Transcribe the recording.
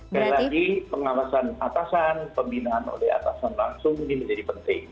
sekali lagi pengawasan atasan pembinaan oleh atasan langsung ini menjadi penting